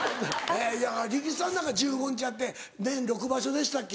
力士さんなんか１５日やって年６場所でしたっけ？